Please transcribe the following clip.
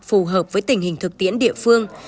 phù hợp với tình hình thực tiễn địa phương